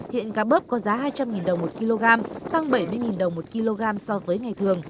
hiện cá bớp có giá hai trăm linh đồng một kg tăng bảy mươi đồng một kg so với ngày thường